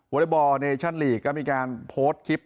อเล็กบอลเนชั่นลีกก็มีการโพสต์คลิป